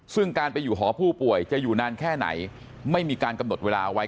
ซึ่งการไปอยู่หอผู้ป่วยจะอยู่นานแค่ไหนไม่มีการกำหนดเวลาไว้